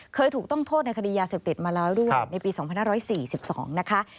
เคยถูกต้องโทษในคดียาเสพติดมาแล้วด้วยในปี๒๕๔๒นะคะ